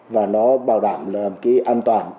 và nó bảo đảm làm cái an toàn